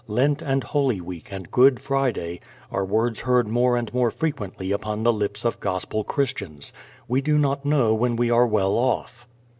"Lent" and "holy week" and "good" Friday are words heard more and more frequently upon the lips of gospel Christians. We do not know when we are well off.